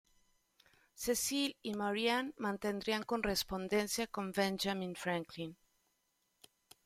Cecile y Marianne mantendrían correspondencia con Benjamin Franklin.